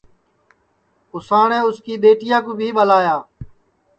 اُساٹؔے اُس کی ٻیٹیا کُو بھی ٻلایا